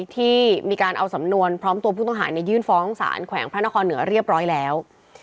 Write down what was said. ที่มีการเอาสำนวนพร้อมตัวผู้ต้องหายื่นฟ้องสารแขวงพระนครเหนือเรียบร้อยแล้ว